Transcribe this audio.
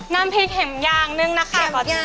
น้ำพริกเข็มยางนึงนะคะ